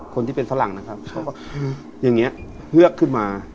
คนที่เป็นฝรั่งนะครับเขาก็อย่างนี้เลือกขึ้นมา